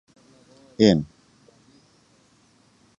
In.